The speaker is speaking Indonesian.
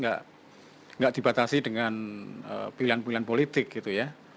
tidak dibatasi dengan pilihan pilihan politik gitu ya